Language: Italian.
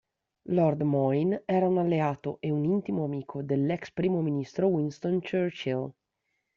Lord Moyne era un alleato e un intimo amico dell'ex Primo Ministro Winston Churchill.